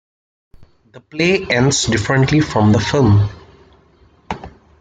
The play ends differently from the film.